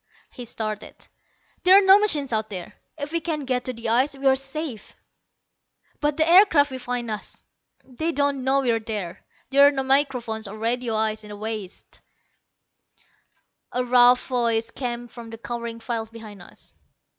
He started. "There are no machines out there. If we can get to the ice we are safe." "But the aircraft will find us." "They won't know we're there. There are no microphones or radio eyes in the wastes." A rough voice came from the cowering files behind us.